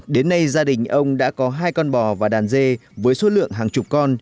đến nay gia đình ông đã có hai con bò và đàn dê với số lượng hàng chục con